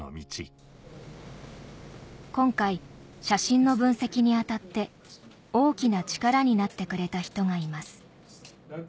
今回写真の分析に当たって大きな力になってくれた人がいます